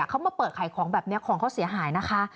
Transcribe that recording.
เขามาเปิดขายของแบบนี้ของเขาเสียหายนะคะ